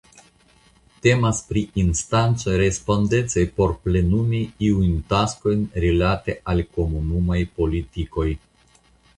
Temas pri instancoj respondecaj por plenumi iujn taskojn rilate al Komunumaj politikoj.